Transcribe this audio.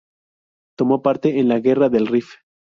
Tomó parte en la Guerra del Rif.